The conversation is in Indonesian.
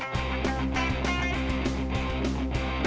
cepet banget ikutin tuh